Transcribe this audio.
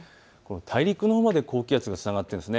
大陸のほうで高気圧がつながっているんです。